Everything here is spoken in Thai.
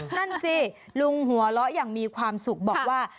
นั่นสิลุงหัวเราะอย่างมีความสุขบอกว่า